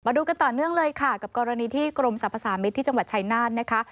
ดูกันต่อเนื่องเลยค่ะกับกรณีที่กรมสรรพสามิตรที่จังหวัดชายนาฏนะคะ